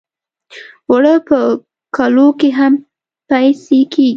اوړه په کلو کې هم پېسې کېږي